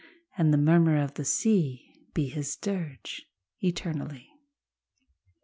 And the murmur of the sea Be his dirge eternally.